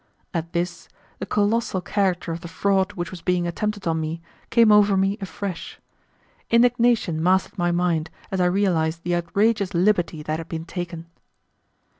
At this, the colossal character of the fraud which was being attempted on me, came over me afresh. Indignation mastered my mind as I realized the outrageous liberty that had been taken.